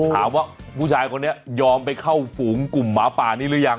ถามว่าผู้ชายคนนี้ยอมไปเข้าฝูงกลุ่มหมาป่านี้หรือยัง